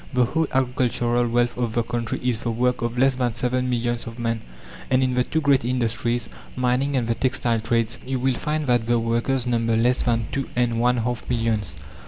The whole agricultural wealth of the country is the work of less than seven millions of men, and in the two great industries, mining and the textile trades, you will find that the workers number less than two and one half millions.